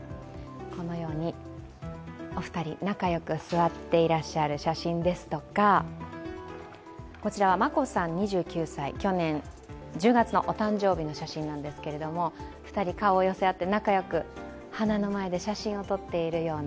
このようにお二人、仲良く座っていらっしゃる写真ですとか、こらちは眞子さん２９歳、去年１２月のお誕生日のときの写真なんですが２人、顔を寄せ合って仲良く花の前で写真を撮っているような